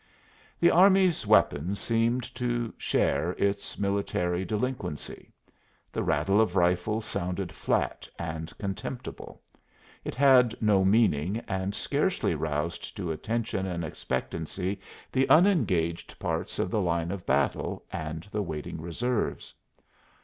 The army's weapons seemed to share its military delinquency. The rattle of rifles sounded flat and contemptible. It had no meaning and scarcely roused to attention and expectancy the unengaged parts of the line of battle and the waiting reserves.